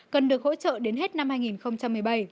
cần được hỗ trợ đến hết năm hai nghìn một mươi bảy